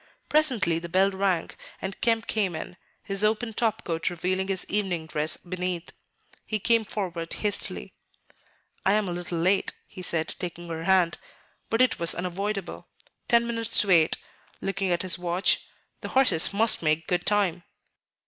Presently the bell rang, and Kemp came in, his open topcoat revealing his evening dress beneath. He came forward hastily. "I am a little late," he said, taking her hand, "but it was unavoidable. Ten minutes to eight," looking at his watch; "the horses must make good time."